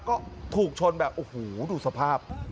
ก็ถูกชนแบบโอ้โหดูสภาพ